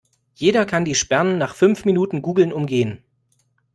Jeder kann die Sperren nach fünf Minuten Googlen umgehen.